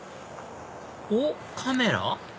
おっカメラ？